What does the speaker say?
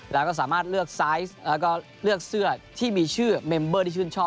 แล้วก็สามารถเลือกไซส์แล้วก็เลือกเสื้อที่มีชื่อเมมเบอร์ที่ชื่นชอบ